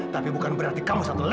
tapi bukan berarti kamu satu lengkap